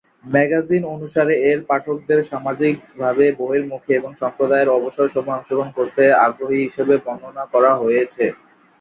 Magazine অনুসারে, এর পাঠকদের "সামাজিকভাবে বহির্মুখী, এবং সম্প্রদায়ের অবসর সময়ে অংশগ্রহণ করতে আগ্রহী" হিসাবে বর্ণনা করা হয়েছে।